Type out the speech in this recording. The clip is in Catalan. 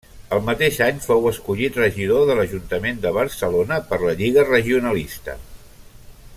El mateix any fou escollit regidor de l'ajuntament de Barcelona per la Lliga Regionalista.